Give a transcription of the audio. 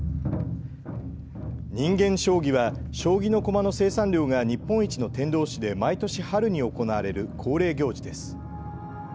人間将棋は将棋の駒の生産量が日本一の天童市で毎年春に行われる恒例行事です。